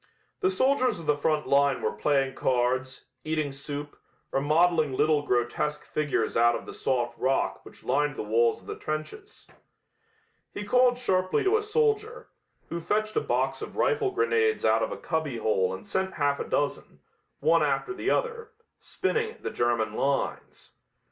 The soldiers of the front line were playing cards, eating soup or modeling little grotesque figures out of the soft rock which lined the walls of the trenches. He called sharply to a soldier, who fetched a box of rifle grenades out of a cubbyhole and sent half a dozen, one after the other, spinning at the German lines.